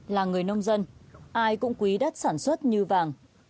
là người nông dân ai cũng quý đất sản xuất như vàng